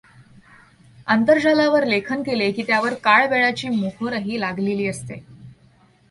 आंतरजालावर लेखन केले की त्यावर काळ वेळाची मोहोरही लागलेली असते.